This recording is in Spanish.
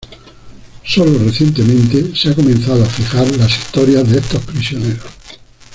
Solo recientemente se ha comenzado a fijar las historias de estos prisioneros.